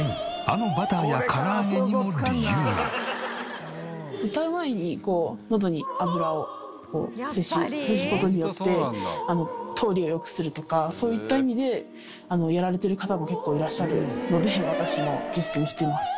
故にあの歌う前にのどに脂を摂取する事によって通りを良くするとかそういった意味でやられてる方も結構いらっしゃるので私も実践しています。